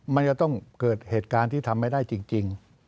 มันจะต้องเกิดเหตุการณ์ที่ทำไม่ได้จริง